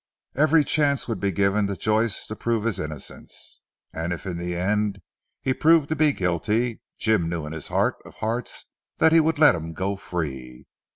Every chance would be given to Joyce to prove his innocence. And if in the end he proved to be guilty, Jim knew in his heart of hearts that he would let him go free.